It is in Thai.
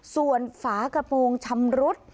ส่วนฝากระโปรงชำรุด